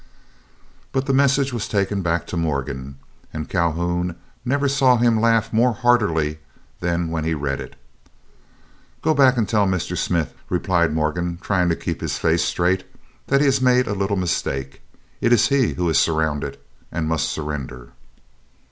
But the message was taken back to Morgan, and Calhoun never saw him laugh more heartily than when he read it. "Go back and tell Mr. Smith," replied Morgan, trying to keep his face straight, "that he has made a little mistake. It is he who is surrounded, and must surrender."